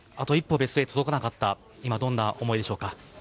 ベスト８に届かなかった今どんな思いでしょうか？